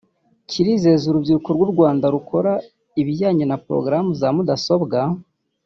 kirizeza urubyiruko rw’u Rwanda rukora ibijyanye na porogaramu za mudasobwa